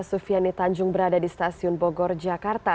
sufiani tanjung berada di stasiun bogor jakarta